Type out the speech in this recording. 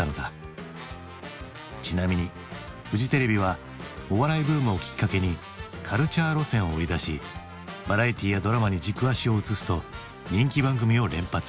ちなみにフジテレビはお笑いブームをきっかけに軽チャー路線を売り出しバラエティーやドラマに軸足を移すと人気番組を連発。